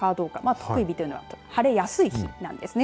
特異日というのは晴れやすい日という意味なんです。